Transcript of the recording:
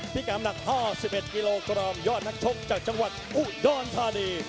กรรมหนัก๕๑กิโลกรัมยอดนักชกจากจังหวัดอุดรธานี